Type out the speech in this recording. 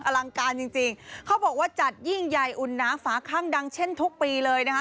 อลังการจริงจริงเขาบอกว่าจัดยิ่งใหญ่อุ่นหนาฝาข้างดังเช่นทุกปีเลยนะคะ